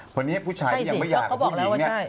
เพราะนี้ผู้ชายที่ยังไม่หย่ากับผู้หญิง